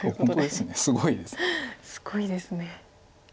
すごいですね。